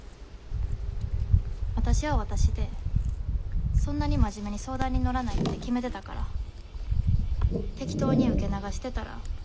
わたしはわたしでそんなに真面目に相談に乗らないって決めてたから適当に受け流してたら。